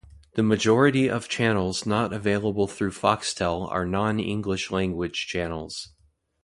The majority of channels not available through Foxtel are non-English language channels.